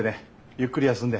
ゆっくり休んで。